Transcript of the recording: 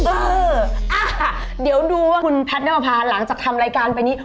เออเดี๋ยวดูว่าคุณแพทย์น้ำประพาหลังจากทำรายการไปนี้